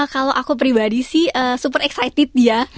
kalau aku pribadi sih super excited dia